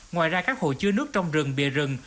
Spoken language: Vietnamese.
ngoài ra các hộ chứa nước trong rừng bìa rừng